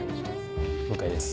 向井です。